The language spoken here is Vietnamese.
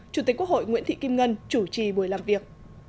chủ tịch quốc hội nguyễn thị kim ngân chủ trì buổi làm việc